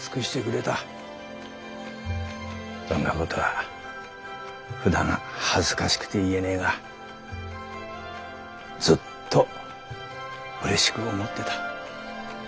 そんなことはふだん恥ずかしくて言えねぇがずっとうれしく思ってた。